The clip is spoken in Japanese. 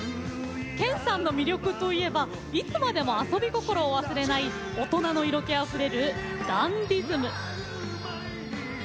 剣さんの魅力といえばいつまでも遊び心を忘れない大人の色気あふれるダンディズム。